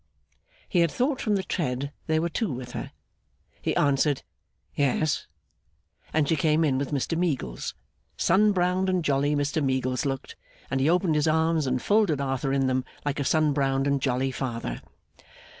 He had thought from the tread there were two with her. He answered 'Yes,' and she came in with Mr Meagles. Sun browned and jolly Mr Meagles looked, and he opened his arms and folded Arthur in them, like a sun browned and jolly father.